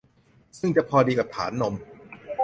ซึ่งจะพอดีกับฐานนม